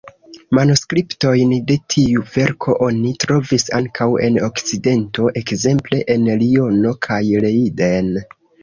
Manuskriptojn de tiu verko oni trovis ankaŭ en Okcidento, ekzemple en Liono kaj Leiden.